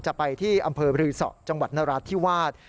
จะไปที่อำเภอบริษัทจังหวัดนาราศที่วาด